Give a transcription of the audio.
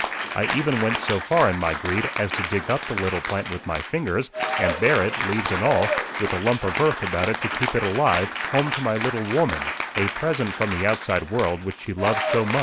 I even went so far in my greed as to dig up the little plant with my fingers, and bear it, leaves and all, with a lump of earth about it to keep it alive, home to my little woman a present from the outside world which she loved so much.